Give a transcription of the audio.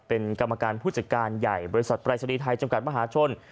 เป็นกรรมการผู้จัดการใหญ่บริษัทปรายศนีย์ไทยจำกัดมหาชน